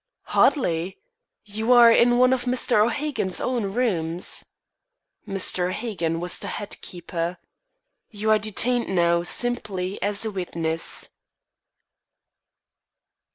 "Hardly. You are in one of Mr. O'Hagen's own rooms." (Mr. O'Hagen was the head keeper.) "You are detained, now, simply as a witness."